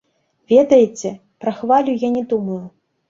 Ведаеце, пра хвалю я не думаю.